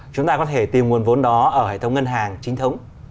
chúng ta có thể tìm nguồn vốn đó ở hệ thống ngân hàng chính thống